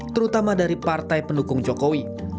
terutama dari partai pendukung jokowi